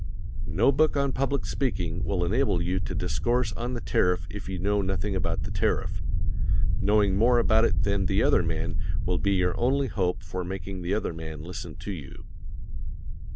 No book on public speaking will enable you to discourse on the tariff if you know nothing about the tariff. Knowing more about it than the other man will be your only hope for making the other man listen to you.